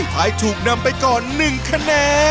สุดท้ายถูกนำไปก่อน๑คะแน่